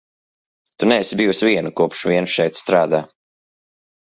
Tu neesi bijusi viena, kopš vien šeit strādā.